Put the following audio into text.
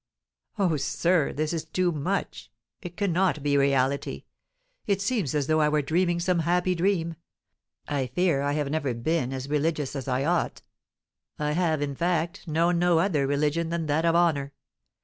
"Oh, sir, this is too much; it cannot be reality! It seems as though I were dreaming some happy dream. I fear I have never been as religious as I ought. I have, in fact, known no other religion than that of honour.